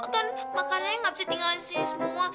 kan makanannya gak bisa tinggalin sini semua